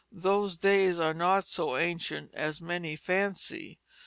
Those days are not so ancient as many fancy.